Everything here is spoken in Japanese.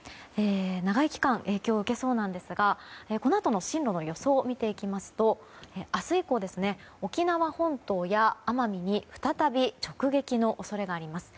長い期間、影響を受けそうなんですがこのあとの進路の予想を見ていきますと明日以降、沖縄本島や奄美に再び直撃の恐れがあります。